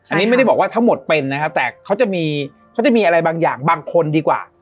อันนี้ไม่ได้บอกว่าทั้งหมดเป็นนะครับแต่เขาจะมีเขาจะมีอะไรบางอย่างบางคนดีกว่า